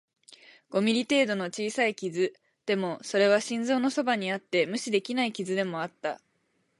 五ミリ程度の小さい傷、でも、それは心臓のそばにあって無視できない傷でもあった